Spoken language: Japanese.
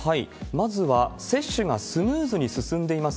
まずは接種がスムーズに進んでいます